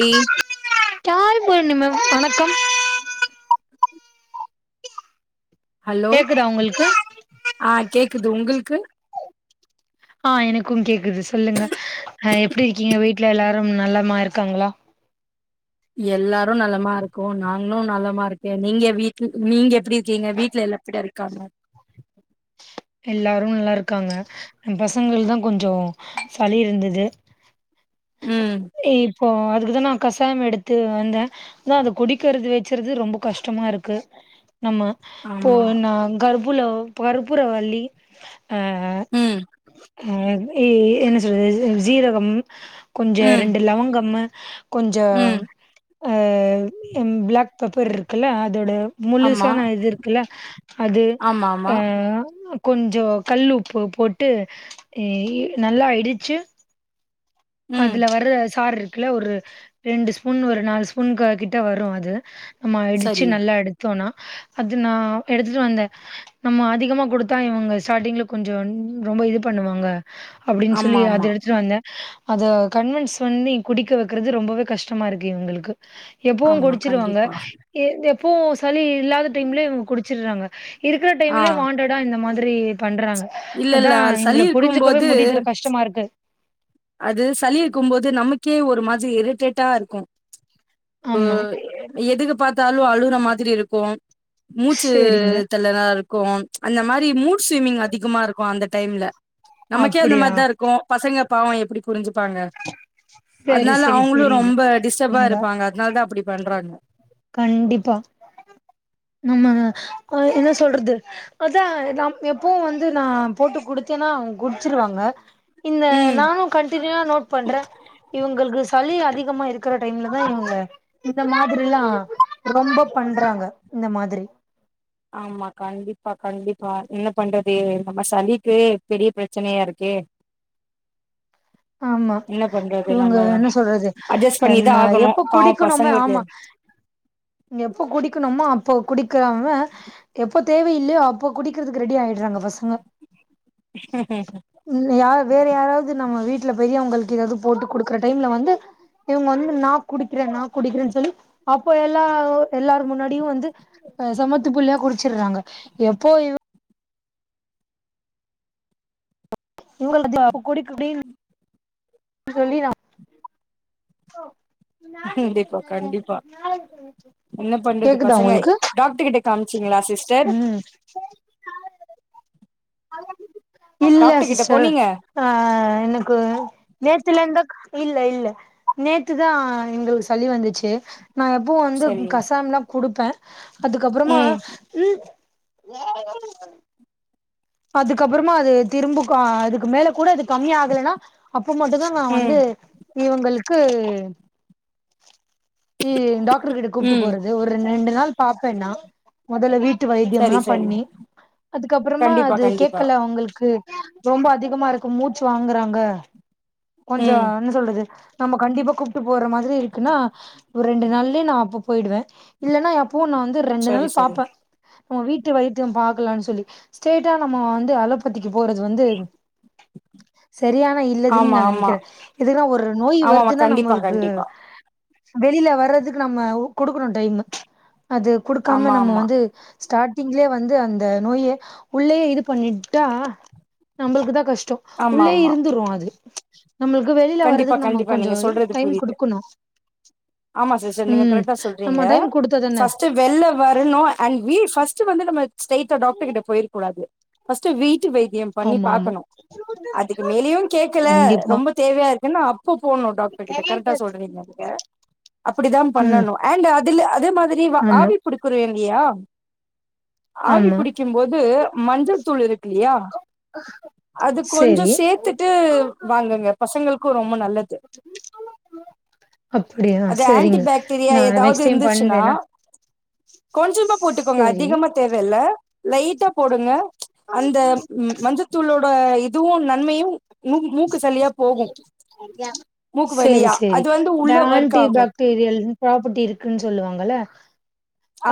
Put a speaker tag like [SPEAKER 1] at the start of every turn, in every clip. [SPEAKER 1] ழி
[SPEAKER 2] கால் பண்ணுமா வணக்கம்
[SPEAKER 1] ஹலோ
[SPEAKER 2] கேக்குதா உங்களுக்கு
[SPEAKER 1] ஆ கேக்குது உங்களுக்கு
[SPEAKER 2] ஆ எனக்கு கேக்குது சொல்லுங்க ஆ எப்டி இருக்கீங்க வீட்டுல எல்லாரும் நல்லமா இருக்காங்களா
[SPEAKER 1] எல்லாரு நல்லமா இருக்கு நாங்களு நல்லமா இருக்கே நீங்க வீட்டுல் நீங்க எப்டி இருக்கீங்க வீட்ல எல்லா எப்படி இருக்காங்க
[SPEAKER 2] எல்லாரு நல்லா இருக்காங்க எ பசங்களுக்கு தா கொஞ்சோ சளி இருந்தது
[SPEAKER 1] ம்
[SPEAKER 2] இப்போ அதுக்குதா நா கசாயம் எடுத்து வந்தே அதா அத குடிக்கருது வச்சுறது ரொம்ப கஷ்டமா இருக்கு நம்ம போ
[SPEAKER 1] ஆமா
[SPEAKER 2] நா கர்ப்புலோ கர்புரொ வள்ளி ஆ
[SPEAKER 1] ம்
[SPEAKER 2] அ ஆ எ என்ன சொல்றது சீரகம் கொஞ்ச
[SPEAKER 1] ம்
[SPEAKER 2] ரெண்டு லவங்கம்மு கொஞ்சோ
[SPEAKER 1] ம்
[SPEAKER 2] ஆ ம் பிளாக் பேப்பர் இருக்குல்ல அதோட
[SPEAKER 1] ஆமா
[SPEAKER 2] முலுசான இது இருக்குல்ல அது
[SPEAKER 1] ஆமா ஆமா
[SPEAKER 2] ஆ கொஞ்சொ கல் உப்பு போட்டு இ இ நல்லா இடிச்சு
[SPEAKER 1] ம்
[SPEAKER 2] அதுல வர்ற சார் இருக்குல்ல ஒரு ரெண்டு ஸ்பூன் ஒரு நாலு ஸ்பூன் க கிட்ட வர்ரு அது நம்மா இடிச்சு
[SPEAKER 1] சரி
[SPEAKER 2] நல்லா எடுத்தோனா அது நா எடுத்துட்டு வந்த நம்ம அதிகமா கொடுத்தா இவங்க ஸ்டார்டிங்ல கொஞ்ச ன் ரொம்ப இது பண்ணுவாங்க அப்டின் சொல்லி
[SPEAKER 1] ஆமா
[SPEAKER 2] அத
[SPEAKER 1] ஆமா
[SPEAKER 2] எடுத்துட்டு வந்தே அத கன்வென்ஸ் பண்ணி குடிக்க வெக்கறது ரொம்பவே கஷ்டமா இருக்கு இவங்களுக்கு எப்பவுமன
[SPEAKER 1] ஆமா
[SPEAKER 2] குடிச்சிருவாங்க
[SPEAKER 1] கண்டிப்பா
[SPEAKER 2] எ எப்பவு சளி இல்லாத டைம்ல இவுங்க குடிச்சிட்றாங்க இருக்குற
[SPEAKER 1] ஆ
[SPEAKER 2] டைம்ல வாண்டடா இந்த மாதிரி பண்றாங்க
[SPEAKER 1] இல்ல
[SPEAKER 2] அதா
[SPEAKER 1] இல்ல சளி
[SPEAKER 2] இவங்கள புரிஞ்சுக்கவே
[SPEAKER 1] இருக்கும்போது
[SPEAKER 2] முடியுதுற கஷ்டமா இருக்கு
[SPEAKER 1] அது சளி இருக்கும்போது நமக்கே ஒரு மாதி இரிட்டேட்டா இருக்கு
[SPEAKER 2] ஆமா.
[SPEAKER 1] ம் எதுக்கு பாத்தாலு அழுற மாதிரி இருக்கு மூச்சு
[SPEAKER 2] சரிங்க.
[SPEAKER 1] தெர்லனா இருக்கு அந்த மாரி முடீ ஸ்வ்விமிங் அதிகமா இருக்கு அந்த டைம்ல நமக்கே அந்த
[SPEAKER 2] அப்டியா?
[SPEAKER 1] மாரிதா இருக்கு பசங்க பாவோ எப்டி புரிஞ்சுப்பாங்க
[SPEAKER 2] சரி,
[SPEAKER 1] அதுனால
[SPEAKER 2] சரி
[SPEAKER 1] அவங்களு
[SPEAKER 2] புரியுது.
[SPEAKER 1] ரொம்ப டிஸ்டபா
[SPEAKER 2] ங்க
[SPEAKER 1] இருப்பாங்க அதுனால தா அப்டி பண்றாங்க
[SPEAKER 2] கண்டிப்பா நாம ஒ என்ன சொல்றது அதா நம் எப்பவு வந்து நா போட்டு குடுத்தேன்னா அவ குடிச்சிருவாங்க இந்த
[SPEAKER 1] ம்.
[SPEAKER 2] நானு கன்டினியுவா நோட் பண்றே இவங்களுக்கு சளி அதிகமா இருக்குற டைம்ல தா இவங்க இந்த மாதிரிலா ரொம்ப பண்றாங்க இந்த மாதிரி
[SPEAKER 1] ஆமா கண்டிப்பா கண்டிப்பா என்ன பண்றது நம்ம சளிக்கு பெரிய பிரச்சனையா இருக்கே
[SPEAKER 2] [unintelligible] ஆமா
[SPEAKER 1] என்ன பண்றது
[SPEAKER 2] இவங்க
[SPEAKER 1] நம்ம
[SPEAKER 2] என்ன சொல்றது
[SPEAKER 1] அட்ஜஸ்ட்
[SPEAKER 2] அ
[SPEAKER 1] பண்ணிதான்
[SPEAKER 2] நா
[SPEAKER 1] ஆகணும்.
[SPEAKER 2] எப்ப
[SPEAKER 1] பாவம்
[SPEAKER 2] குடிக்கணுமோ
[SPEAKER 1] பசங்களுக்கு
[SPEAKER 2] ஆமா எப்போ குடிக்கணுமோ அப்போ குடிக்காங்க எப்போ தேவை இல்லையோ அப்போ குடிக்கிறதுக்கு ரெடி ஆயிடுறாங்க பசங்க
[SPEAKER 1] [unintelligible]
[SPEAKER 2] இல்லயா வேற யாராவது நம்ம வீட்டு்ல பெரியவங்களுக்கு எதாவது போட்டு குடுக்குற டைம்ல வந்து இவங்க வந்து நா குடிக்கிறே நா குடிக்கிறேன் சொல்லி அப்போ எல்லா எல்லாரு முன்னாடியு வந்து சமத்து புள்ளயா குடிச்சுடுறாங்க எப்போ இவ இவங்களுக்கு பா குடி குடின் சொல்லிறா ஓ நான்
[SPEAKER 1] கண்டிப்பா கண்டிப்பா. என்ன பண்றது பசங்க டாக்டர் கிட்ட காமிச்சீங்களா சிஸ்டர்
[SPEAKER 2] இல்லயா
[SPEAKER 1] டாக்டர் கிட்ட
[SPEAKER 2] சிஸ்டர்
[SPEAKER 1] போனீங்க?
[SPEAKER 2] ஆ எனக்கு நேத்துலர்ந்து இல்ல இல்ல நேத்துதா எங்களுக்கு சளி வந்துச்சு நா எப்பவு வந்து
[SPEAKER 1] சரி
[SPEAKER 2] கசாம்ல்லா குடுப்பே அதுக்கப்பறமா
[SPEAKER 1] ம்
[SPEAKER 2] உம் அதுக்கப்பறமா அது திரும்ப அதுக்கு மேல கூட அது கம்மி ஆகலன்னா அப்போ மட்டுதா நா வந்து
[SPEAKER 1] ம்
[SPEAKER 2] இவங்களுக்கு இ டாக்டர் கிட்ட கூப்ட்டு
[SPEAKER 1] ம்
[SPEAKER 2] போறது ஒரு ரெண்டு நாள் பாப்பே நா மொதல்ல வீட்டு
[SPEAKER 1] சரி
[SPEAKER 2] வைத்தியல்லா
[SPEAKER 1] சரி.
[SPEAKER 2] பண்ணி அதுக்கப்பறமா
[SPEAKER 1] கண்டிப்பா
[SPEAKER 2] அது
[SPEAKER 1] கண்டிப்பா.
[SPEAKER 2] கேக்கல அவங்களுக்கு ரொம்ப அதிகமா இருக்கு மூச்சு வாங்குறாங்க கொஞ்ச
[SPEAKER 1] ம்
[SPEAKER 2] என்ன சொல்றது நம்ம கண்டிப்பா கூப்ட்டு போற மாதிரி இருக்குன்னா ஒரு ரெண்டு நாள்லயே நா அப்ப போயிடுவே இல்லன்னா இப்போ நா வந்து ரெண்டு
[SPEAKER 1] சரி
[SPEAKER 2] நாள்
[SPEAKER 1] சரி.
[SPEAKER 2] பாப்பே வீட்டு வைத்தியம் பாக்கலான் சொல்லி ஸ்டேட் ட்டா நம்ம வந்து அலப்பத்திக்கு போறது வந்து சரியானா இல்லதுன்
[SPEAKER 1] ஆமா
[SPEAKER 2] நான்
[SPEAKER 1] ஆமா.
[SPEAKER 2] நினைக்கிறே இதுல ஒரு நோய்
[SPEAKER 1] ஆமாமா
[SPEAKER 2] வருதுன்னா
[SPEAKER 1] கண்டிப்பா
[SPEAKER 2] நம்மளுக்கு
[SPEAKER 1] கண்டிப்பா.
[SPEAKER 2] வெளில வர்றதுக்கு நம்ம குடுக்கணு டைமு அது குடுக்காம
[SPEAKER 1] ஆமா
[SPEAKER 2] நம்ம
[SPEAKER 1] ஆமா
[SPEAKER 2] வந்து ஸ்டார்ட்டிங்லயே வந்து அந்த நோய உள்ளேயே இது பண்ணிட்டா நம்மளுக்குதா கஷ்ட
[SPEAKER 1] ஆமா
[SPEAKER 2] உள்ளேயே
[SPEAKER 1] ஆமா
[SPEAKER 2] இருந்துரு அது நம்மளுக்கு வெளில
[SPEAKER 1] கண்டிப்பா
[SPEAKER 2] வர்றதுக்கு நம்ம
[SPEAKER 1] கண்டிப்பா
[SPEAKER 2] கொஞ்சோ
[SPEAKER 1] நீங்க சொல்றது
[SPEAKER 2] டைம்
[SPEAKER 1] புரியுது
[SPEAKER 2] குடுக்கணு
[SPEAKER 1] ஆமா சிஸ்டர்
[SPEAKER 2] உம் நம்ம டைம் குடுத்தா தான
[SPEAKER 1] வெளில வரணு அண்ட் வி ஃபர்ஸ்டட் வந்து நம்ம ஸ்ரெய்ட்டா டாக்டர் கிட்ட போயிருக்க கூடாது ஃபர்ஸ்ட் வீட்டு வைத்தியம் பண்ணி
[SPEAKER 2] ஆமா ஆமா
[SPEAKER 1] பாக்கணு அதுக்கு மேலயு கேக்கல
[SPEAKER 2] கண்டிப்பா
[SPEAKER 1] ரொம்ப தேவையா இருக்குன் அப்ப போகணு டாக்டர் கிட்ட கரெக்டா சொல்றீங்க நீங்க அப்படிதா
[SPEAKER 2] ம்
[SPEAKER 1] பண்ணணு அண்ட் அதுல அதே மாதிரி
[SPEAKER 2] ஆமா
[SPEAKER 1] ஆவி புடிக்குற இல்லியா ஆவி
[SPEAKER 2] ஆமா
[SPEAKER 1] புடிக்கும் போது மஞ்சள் தூள் இருக்குல்லயா அது கொஞ்சோ
[SPEAKER 2] சேரி
[SPEAKER 1] சேத்துட்டு வாங்குங்க பசங்களுக்கு ரொம்ப நல்லது
[SPEAKER 2] அப்படியா
[SPEAKER 1] அது ஆன்டி
[SPEAKER 2] சரிங்க
[SPEAKER 1] பாக்டீரியா
[SPEAKER 2] நா
[SPEAKER 1] ஏதாவது
[SPEAKER 2] நெக்ஸ்ட் டைம்
[SPEAKER 1] இருந்துச்சுன்னா
[SPEAKER 2] பண்ற நா
[SPEAKER 1] கொஞ்சமா போட்டுக்கோங்க அதிகமா தேவையில்ல லைட்டா போடுங்க அந்த மஞ்சத்தூளோட இதுவு நன்மையு மூக்கு சளியா போகு மூக்கு
[SPEAKER 2] சரி
[SPEAKER 1] வழியா
[SPEAKER 2] சரி
[SPEAKER 1] அது வந்து உள்ள
[SPEAKER 2] த
[SPEAKER 1] ஒர்க்
[SPEAKER 2] ஆண்டி
[SPEAKER 1] ஆகு
[SPEAKER 2] பக் பெரிய அளவில் ப்ராப்பர்ட்டி இருக்குன் சொல்லுவாங்க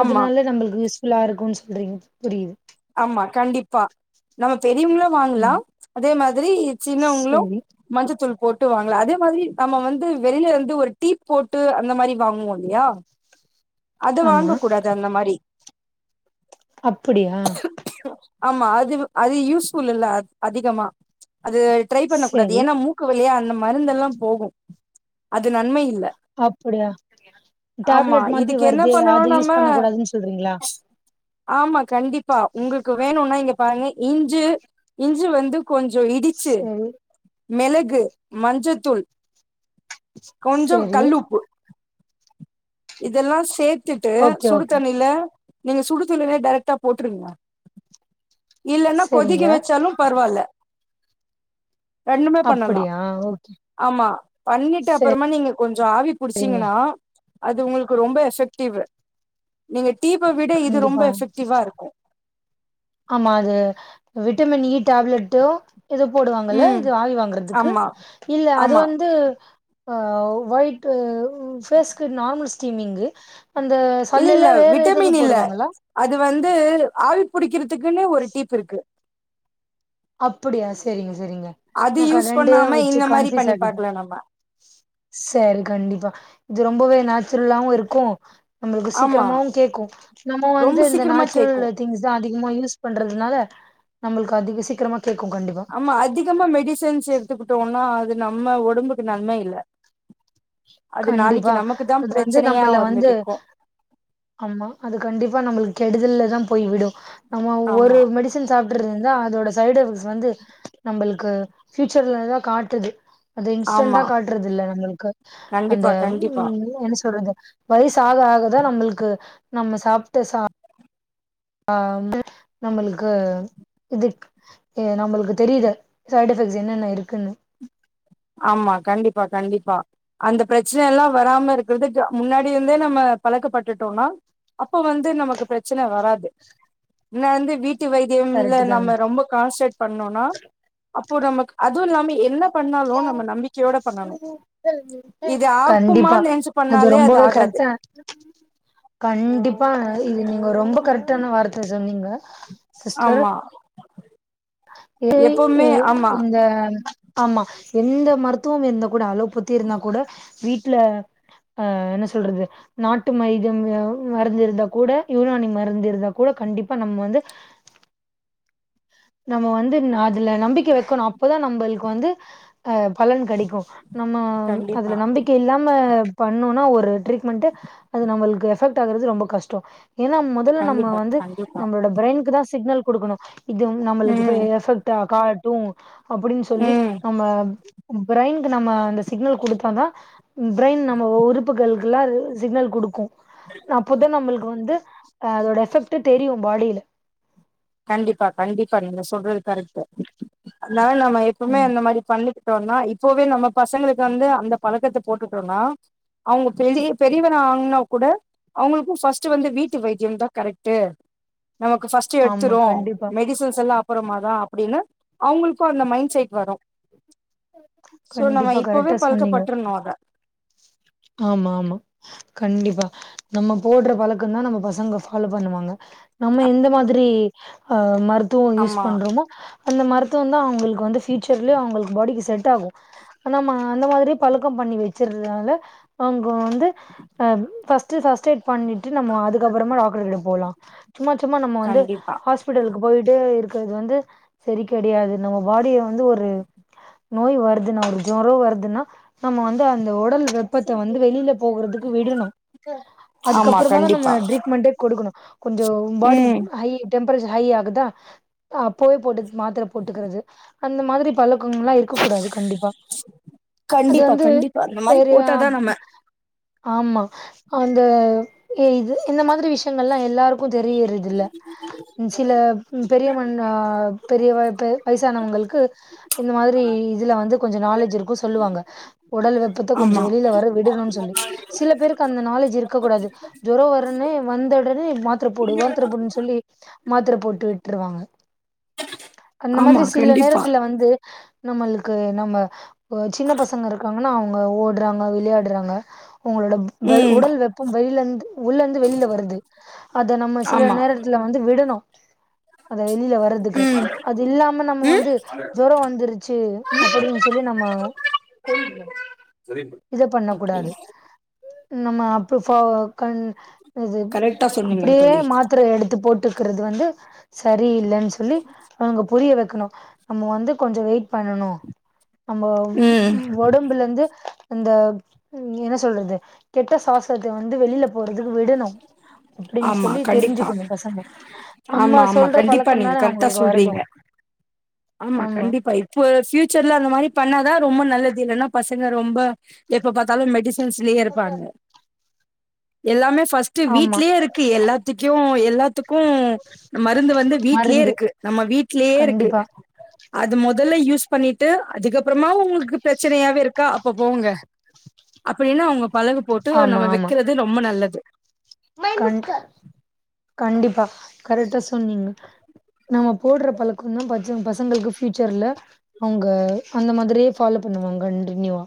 [SPEAKER 1] ஆமா
[SPEAKER 2] அதனால நம்மளுக்கு எல்லாருக்கும் ன் சொல்ரீங்க புரியுது
[SPEAKER 1] ஆமா கண்டிப்பா நம்ம பெரியவங்களு வாங்கலா,
[SPEAKER 2] ம்
[SPEAKER 1] அதே மாதிரி சின்னவங்களு
[SPEAKER 2] சேரி
[SPEAKER 1] மஞ்சத்தூள் போட்டு வாங்கலா அதே மாதிரி நம்ம வந்து வெளில இருந்து ஒரு டீப் போட்டு அந்த மாரி வாங்குவோ இல்லயா. அது
[SPEAKER 2] ஆமா
[SPEAKER 1] வாங்க கூடாது அந்த மாரி.
[SPEAKER 2] அப்படியா
[SPEAKER 1] ஆமா அது அது யூஸ் ஃபுல் இல்ல அதிகமா அது ட்ரை பண்ண கூடாது
[SPEAKER 2] சேரி
[SPEAKER 1] ஏன்னா மூக்கு வழியா அந்த மருந்தெல்லா போகு அது நன்ம இல்ல
[SPEAKER 2] அப்படியா
[SPEAKER 1] ஆமா
[SPEAKER 2] டேப்லெட் மாதிரி
[SPEAKER 1] இதுக்கு என்ன
[SPEAKER 2] வருது
[SPEAKER 1] பண்ணணும்
[SPEAKER 2] அது
[SPEAKER 1] நம்ம
[SPEAKER 2] யூஸ் பண்ண கூடாதுன் சொல்றீங்களா
[SPEAKER 1] ஆமா கண்டிப்பா உங்களுக்கு வேணுனா இங்க பாருங்க இஞ்சு இஞ்சு வந்து கொஞ்சோ இடிச்சு
[SPEAKER 2] சேரி
[SPEAKER 1] மெளகு மஞ்சத்தூள் கொஞ்சோ
[SPEAKER 2] சேரி
[SPEAKER 1] கல்லுப்பு இதெல்லா சேத்துட்டு
[SPEAKER 2] ஓகே
[SPEAKER 1] சுடு
[SPEAKER 2] ஓகே
[SPEAKER 1] தண்ணில நீங்க சுடு தண்ணிலே டைரெக்ட்டா போட்டுருங்க இல்லனா கொதிக்க
[SPEAKER 2] சேரிங்க
[SPEAKER 1] வச்சாலு பரவால்ல ரெண்டுமே பண்ணலா
[SPEAKER 2] அப்படியா ஓகே
[SPEAKER 1] ஆமா பண்ணிட்டு அப்பறமா நீங்க கொஞ்சோ ஆவி
[SPEAKER 2] சேரிங்க
[SPEAKER 1] புடிச்சீங்கன்னா அது உங்களுக்கு ரொம்ப எஃபெக்டிவ் நீங்க டீப்ப விட இது ரொம்ப
[SPEAKER 2] கண்டிப்பா
[SPEAKER 1] எஃபெக்டிவா இருக்கூ
[SPEAKER 2] ஆமா அது விட்டமின் இ டேப்லெட்டு இது போடுவாங்கல்ல
[SPEAKER 1] ம்
[SPEAKER 2] இது ஆவி வாங்கறதுக்கு
[SPEAKER 1] ஆமா
[SPEAKER 2] இல்ல அது
[SPEAKER 1] ஆமா
[SPEAKER 2] வந்து ஆ வைட் ஃபேஸ்க்கு நார்மல் ஸ்டீமிங்கு அந்த
[SPEAKER 1] இல்ல
[SPEAKER 2] சல்லுல
[SPEAKER 1] இல்ல
[SPEAKER 2] வேற எதெதோ
[SPEAKER 1] விட்டமின் இல்ல
[SPEAKER 2] போடுவாங்கல
[SPEAKER 1] அது வந்து ஆவி புடிக்கிறதுக்குன்னு ஒரு டீப் இருக்கு
[SPEAKER 2] அப்பிடியா செரிங்க செரிங்க
[SPEAKER 1] அது
[SPEAKER 2] நா க
[SPEAKER 1] யூஸ்
[SPEAKER 2] ரெண்டயு
[SPEAKER 1] பண்ணாம
[SPEAKER 2] வச்சு
[SPEAKER 1] இந்த மாரி
[SPEAKER 2] கன்ஃபியூஸ்
[SPEAKER 1] பண்ணி
[SPEAKER 2] ஆகிட்டே
[SPEAKER 1] பாக்கலா நம்ம
[SPEAKER 2] செரி கண்டிப்பா இது ரொம்பவே நேச்சுரல்லாவு இருக்கூ நம்ளுக்கு
[SPEAKER 1] ஆமா
[SPEAKER 2] சீக்கிரமாவு கேக்கூ நம்ம வந்து
[SPEAKER 1] ரொம்ப
[SPEAKER 2] இந்த
[SPEAKER 1] சீக்கிரமா கேக்கு
[SPEAKER 2] நேச்சுரல் திங்ஸ் தா அதிகமா யூஸ் பண்றதுனால நம்ளுக்கு அதிக சீக்கிரமா கேக்கூ கண்டிப்பா
[SPEAKER 1] ம்ம அதிகமா மெடிசன்ஸ் எடுத்துக்கிட்டோனா அது நம்ம ஒடம்புக்கு நன்ம இல்லை
[SPEAKER 2] கண்டிப்பா
[SPEAKER 1] தா
[SPEAKER 2] இது வந்து
[SPEAKER 1] பிரச்சனையா
[SPEAKER 2] நம்மள வந்து
[SPEAKER 1] நிக்கு
[SPEAKER 2] ஆமா அது கண்டிப்பா நம்மளுக்கு கெடுதல தா போய் விடு நம்ம ஒரு
[SPEAKER 1] ஆமா
[SPEAKER 2] மெடிஸ் சன் சாப்ட்டுருந்தா அதோட சைடு எஃபெக்ட்ஸ் வந்து நம்மளுக்கு பியூச்சர்லதா காட்டுது அது இன்ஸ்டன்டா
[SPEAKER 1] ஆமா
[SPEAKER 2] காட்டுறது இல்ல நம்மளுக்கு அந்த
[SPEAKER 1] கண்டிப்பா கண்டிப்பா
[SPEAKER 2] என்ன சொல்றது வயசு ஆக ஆக தா நம்மளுக்கு நம்ம சாப்ட்ட சா ஆ வந்து நம்மளுக்கு இது நம்மளுக்கு தெரியுது சைட் எஃபெக்ட்ஸ் என்னென்ன இருக்குன்னு
[SPEAKER 1] ஆமா கண்டிப்பா கண்டிப்பா அந்த ப்ரச்சன எல்லா வராம இருக்கிறதுக் முன்னாடிலேந்தே நம்ம பழக்கப்பட்டுட்டோனா அப்ப வந்து நமக்கு ப்ரச்சன வராது இன்னாந்து வீட் ட்டு வைத்தியம்ல
[SPEAKER 2] கரெக்ட் தாங்க
[SPEAKER 1] நம்ம ரொம்ப கான்ஸ்ரேட் பண்ணோனா அப்போ நமக் அதுவு இல்லாமே என்ன பண்ணாலு நம்ம நம்பிக்கையோட பண்ணணு இது
[SPEAKER 2] கண்டிப்பா
[SPEAKER 1] ஆகுமான்னு நெனச்சு
[SPEAKER 2] அது
[SPEAKER 1] பண்ணாலே
[SPEAKER 2] ரொம்பவே
[SPEAKER 1] ஆகாது
[SPEAKER 2] கரெக்டா கண்டிப்பா இது நீங்க ரொம்ப கரெக்டான வார்த்த சொன்னீங்க சிஸ்டர்
[SPEAKER 1] ஆமா
[SPEAKER 2] ஏ
[SPEAKER 1] எப்பவுமே
[SPEAKER 2] இவ்
[SPEAKER 1] ஆமா
[SPEAKER 2] இந்த ஆமா எந்த மருத்துவமம் இருந்தா கூட அல்லோபதி இருந்தா கூட வீட்ல ஆ என்ன சொல்றது நாட்டு மைதியம் மருந்து இருந்தா கூட யுனானி மருந்து இருந்தா கூட கண்டிப்பா நம்ம வந்து நம்ம வந்து அதுல நம்பிக்க வெக்கணு அப்பதா நம்மளுக்கு வந்து ஆ பலன் கெடைக்கூ நம்ம அதுல
[SPEAKER 1] கண்டிப்பா
[SPEAKER 2] நம்பிக்க இல்லாம பண்ணோனா ஒரு ட்ரீட்மெண்ட்டு அது நம்மளுக்கு எஃபெக்ட் ஆவ்றது ரொம்ப கஷ்டோ ஏனா முன் தல நம்ம
[SPEAKER 1] கண்டிப்பா
[SPEAKER 2] வந்து
[SPEAKER 1] கண்டிப்பா
[SPEAKER 2] நம்மளோட பிரெய்னுக்கு தா சிக்னல் குடுக்கணு இது நம்மளுக்கு இது
[SPEAKER 1] ம்
[SPEAKER 2] எஃபெக்டா காட் டூ அப்டின் சொல்லி
[SPEAKER 1] ம்
[SPEAKER 2] நம்ம பிரைன்கு நம்ம அந்த சிக்னல் குடுத்தா தா பிரெயின் நம்ம உறுப்புகள்குல்லா சிக்னல் குடுக்கூ அப்போத நம்மளுக்கு வந்து அதோட எஃபெக்ட்டு தெரியு பாடிலே
[SPEAKER 1] கண்டிப்பா கண்டிப்பா நீங்க சொல்றது கரெக்ட்டு அத்னால நம்ம எப்புமே
[SPEAKER 2] ம்
[SPEAKER 1] அந்த மாரி பண்ணிட் டு வந்தா இப்பவே நம்ம பசங்களுக்கு வந்து அந்த பழக்கத்த போட்டுட்டோனா அவங்க பெரிய பெரியவனா ஆங்னா கூட அவங்களுக்கூ ஃபஸ்ட்டு வந்து வீட்டு வைத்தியம் தா கரெக்ட்டு நமக்கு ஃபஸ்ட்
[SPEAKER 2] ஆமா
[SPEAKER 1] த்றோ
[SPEAKER 2] கண்டிப்பா
[SPEAKER 1] மெடிசன்ஸ்லா அப்றமா தா அப்டினு அவுங்களுக்கூ அந்த மைண்ட செட் வரு சோ நம்ம
[SPEAKER 2] கண்டிப்பா
[SPEAKER 1] இப்பவே
[SPEAKER 2] கரெக்டா சொன்னீங்க
[SPEAKER 1] பழக்கப்பட்டுர்ணூ அத
[SPEAKER 2] ஆமா ஆமா கண்டிப்பா நம்ம போட்ற பழக்கந்தா நம்ம பசங்க ஃபாலோ பண்ணுவாங்க நம்ம எந்த மாதிரி ஆ மருத்துவ யூஸ்
[SPEAKER 1] ஆமா
[SPEAKER 2] பண்றோமோ அந்த மருத்துவந்தா அவுங்களுக்கு வந்து ஃபியூசர்லயு அவுங்களுக்கு பாடிக்கு செட் ஆகு நம்ம அந்த மாதிரி பழக்கம் பண்ணி வச்சிரதுனால அவுங்க வந்து அ ஃபஸ்ட்டு ஃபஸ்ட்டைட் பண்ணிட்டு நம்ம அதுக்கப்புறமா டாக்டர்கிட்ட போலா சும்மா சும்மா நம்ம வந்து
[SPEAKER 1] கண்டிப்பா
[SPEAKER 2] ஹாஸ் பிட்டலுக்கு போயிட்டே இருக்கிறது வந்து சரி கெடையாது நம்ம பாடிய வந்து ஒரு நோய் வருதுனா ஜொரோ வருதுன்னா நம்ம வந்து அந்த உடல் வெப் ப்பத்த வந்து வெளில போகறதுக்கு விடணு
[SPEAKER 1] ஆமா
[SPEAKER 2] அதுக்கப்புறமாதா நம்ம
[SPEAKER 1] கண்டிப்பா
[SPEAKER 2] ட்ரீட்மென்ட்டே கொடுக்கணு கொஞ்ஜோ பாடி
[SPEAKER 1] ம்
[SPEAKER 2] ஹை டெம்பரேச்சர் ஹை ஆகுதா அ அப்போவே போட்டு மாத்தர போட்டுக்கிறது அந்த மாதிரி பல அம்லா இருக்கக்கூடாது கண்டிப்பா அது
[SPEAKER 1] கண்டிப்பா
[SPEAKER 2] வந்து
[SPEAKER 1] கண்டிப்பா அந்த மாரி
[SPEAKER 2] பெரியா
[SPEAKER 1] போட்டாதா நம்ம
[SPEAKER 2] ஆமா அந்த இஇது இந்த மாதிரி விஷயங்கள்லா எல்லாருக்கு தெரியுறது இல்ல சில பெரிய மண் ஆ பெரிய பெ வயசானவங்களுக்கு இந்த மாதிரி இதுல வந்து கொஞ்ச நாலேஜ் இருக்கு சொல்லுவாங்க உடல் வெப்பத்த கொஞ்ச
[SPEAKER 1] ஆமா
[SPEAKER 2] வெளில வர விடணுனு சொல்லி சில பேருக்கு அந்த நாலேஜ் இருக்கக் கூடாது ஜோரோ வரனே வந்தோடனே மாத்தர போடு மாத்தர போடுன்னு சொல்லி மாத்தர போட்டு விட்டுருவாங்க அந்த
[SPEAKER 1] ஆமா
[SPEAKER 2] மாதிரி சில
[SPEAKER 1] கண்டிப்பா
[SPEAKER 2] நேரத்துல வந்து நம்மளுக்கு நம்ம அ சின்ன பசங்க இருக்காங்கன்னா அவுங்க ஓடுறாங் க விளையாடுறாங்க உங்களோட வெல்
[SPEAKER 1] ம்
[SPEAKER 2] உடல் வெப்பம் வெளிலந்து உள்ளந்து வெளில வருது அத நம்ம சில
[SPEAKER 1] ஆமா
[SPEAKER 2] நேர த்துல வந்து விடணு அத வெளில வ ரதுக்கு
[SPEAKER 1] ம்
[SPEAKER 2] அது இல்லாம நம்ம
[SPEAKER 1] ம்
[SPEAKER 2] வந்து ஜொரோ வந்துருச்சு அப்படின்னு சொல்லி நம்ம
[SPEAKER 1] [inaudible]
[SPEAKER 2] இத பண்ண
[SPEAKER 1] ஓகே
[SPEAKER 2] கூடாது நம்ம அப்ப ஃபா கண் இது
[SPEAKER 1] கரெக்டா சொன்னீங்க
[SPEAKER 2] அப்படியே
[SPEAKER 1] தோழி
[SPEAKER 2] மாத்தரைய எடுத்து போட் ட்டுக்கிறது வந்து சரி இல்லன்னு சொல்லி அவுங்க புரிய வெக்கணு நம்ம வந்து கொஞ்ச வெயிட் பண்ணணு நம்ம
[SPEAKER 1] ம்
[SPEAKER 2] ஒடம்புலந்து அந்த என்ன சொல்றது கெட்ட சுவாசத்த வந்து வெளில போறதுக்கு விடணு அப்டின்னு
[SPEAKER 1] ஆமா
[SPEAKER 2] சொல்லி
[SPEAKER 1] கண்டிப்பா
[SPEAKER 2] தெரிஞ்சுக்கணு பசங்க
[SPEAKER 1] ஆமா
[SPEAKER 2] நம்ம
[SPEAKER 1] ஆமா
[SPEAKER 2] சொல்ற
[SPEAKER 1] கண்டிப்பா நீங்க
[SPEAKER 2] பழக்கந்தான
[SPEAKER 1] கரெக்டா
[SPEAKER 2] அவுங்களுக்கு வருது
[SPEAKER 1] சொல்றீங்க ஆமா கண்டிப்பா இப்போ ஃபியூச்சர்ல அந்த மாரி பண்ணாதா ரொம்ப நல்லது இல்லன்னா பசங்க ரொம்ப எப்ப பாத்தாலு மெடிசன்ஸ்லயே இருப்பாங்க எல்லாமே ஃபஸ்ட்டு
[SPEAKER 2] ஆமா
[SPEAKER 1] வீட்லயே இரு க்கு எல்லாத்திக்யு எல்லா த்துக்கு மருந்து வந்து வீட்லயே
[SPEAKER 2] மருந்து
[SPEAKER 1] இருக்கு நம்ம வீட்லயே இருக்கு
[SPEAKER 2] கண்டிப்பா
[SPEAKER 1] அது மொதல்ல யூஸ் பண்ணிட்டு அதுக்கப்பறமாவு உங்களுக்கு பிரச்சனையாவே இருக்கா அப்ப போங்க அப்படின்னு அவுங்க பழகு போட்டு
[SPEAKER 2] ஆமா
[SPEAKER 1] நம்ம
[SPEAKER 2] ஆமா
[SPEAKER 1] வெக்குறது ரொம்ப நல்லது
[SPEAKER 2] கண் கண்டிப்பா கரெக்டா சொன்னீங்க நம்ம போடுற பழக்கந்தா பச பசங்களுக்கு ஃபியூச்சர்ல அவுங்க அந்த மாதிரியே ஃபாலோ பண்ணுவாங் கண்டினியூவா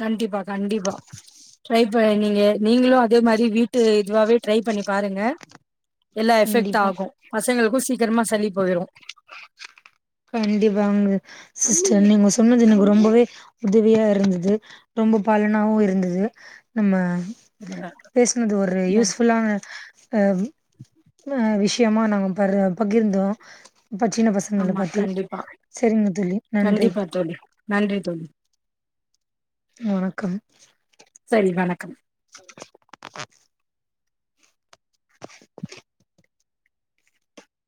[SPEAKER 1] கண்டிபா கண்டிபா ட்ரைப்ப நீங்க நீங்களு அதே மாரி வீட்டு இதுவாவே ட்ரைப் பண்ணி பாருங்க எல்லா எஃபெக்ட்
[SPEAKER 2] கண்டிப்பா
[SPEAKER 1] ஆகு பசங்களுக்கு சீக்ரமா சளி போயிரு
[SPEAKER 2] கண்டிபாங்க சிஸ்டர் நீங்க சொன்னது எனக்கு ரொம்பவே உதவியா இருந்தது ரொம்ப பலனாவு இருந்தது நம்ம
[SPEAKER 1] என்ன
[SPEAKER 2] பேசினது ஒரு யூஸ்ஃபுல்லா அ ஆ விஷயமா நாங்க பர பகிர்ந்தோ இப்ப சின்ன பசங்கள
[SPEAKER 1] ஆமா
[SPEAKER 2] பா ரி
[SPEAKER 1] கண்டிப்பா
[SPEAKER 2] சரிங்க தோழி நன்றி
[SPEAKER 1] கண்டிப்பா தோழி நன்றி தோழி
[SPEAKER 2] வணக்கம்
[SPEAKER 1] சரி வணக்கம்